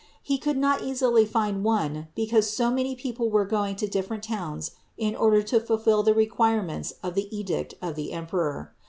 He could not easily find one because so many people were going to different towns in order to fulfill the requirements of the edict of the emperor.